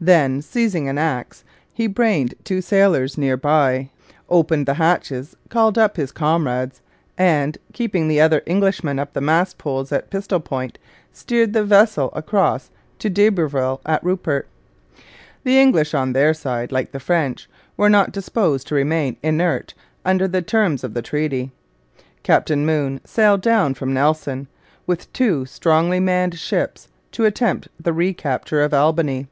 Then, seizing an ax, he brained two sailors near by, opened the hatches, called up his comrades, and, keeping the other Englishmen up the mast poles at pistol point, steered the vessel across to d'Iberville at Rupert. The English on their side, like the French, were not disposed to remain inert under the terms of the treaty. Captain Moon sailed down from Nelson, with two strongly manned ships, to attempt the recapture of Albany.